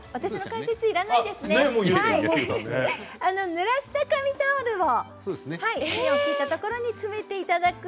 ぬらした紙タオルを芯を切ったところに詰めていただくといいです。